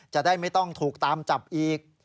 จะได้ไม่ต้องถูกตามจับอีก